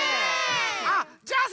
あっじゃあさ